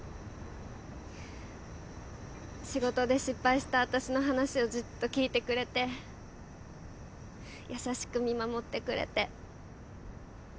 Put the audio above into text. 仕事で失敗した私の話をじっと聞いてくれて優しく見守ってくれて。